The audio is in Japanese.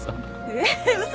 えっ？嘘？